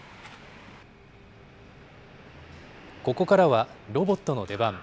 ここからはロボットの出番。